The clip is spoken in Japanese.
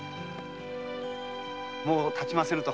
もう発ちませぬと。